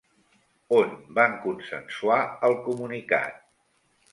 On van consensuar el comunicat?